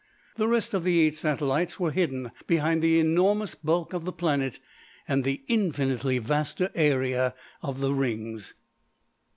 The rest of the eight satellites were hidden behind the enormous bulk of the planet and the infinitely vaster area of the rings.